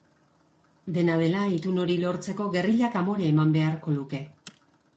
Dena dela, itun hori lortzeko gerrillak amore eman beharko luke.